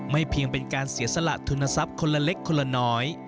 เพียงเป็นการเสียสละทุนทรัพย์คนละเล็กคนละน้อย